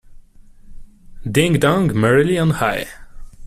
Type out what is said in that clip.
Ding dong merrily on high.